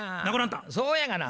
そうやがな。